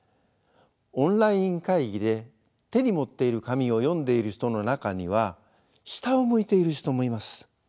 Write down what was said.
オンライン会議で手に持っている紙を読んでいる人の中には下を向いている人もいます。